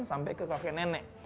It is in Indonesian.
sampai ke kakek nenek